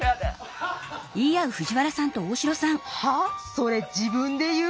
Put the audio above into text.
それ自分で言う？